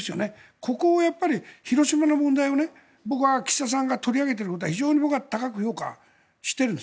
ここを広島の問題を、僕は岸田さんが取り上げていることは非常に僕は高く評価しているんです。